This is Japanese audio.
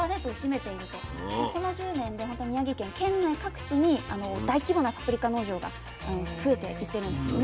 この１０年でほんと宮城県県内各地に大規模なパプリカ農場が増えていってるんですよね。